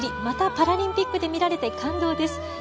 またパラリンピックで見られて感動です。